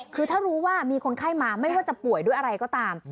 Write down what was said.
คือถ้ารู้ว่ามีคนไข้มาไม่ว่าจะป่วยด้วยอะไรก็ตาม